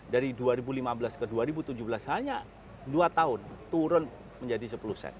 dari dua ribu lima belas ke dua ribu tujuh belas hanya dua tahun turun menjadi sepuluh set